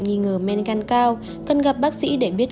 nghi ngờ men gan cao cần gặp bác sĩ để biết